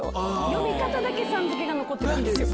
呼び方だけさん付けが残ってたんですよ。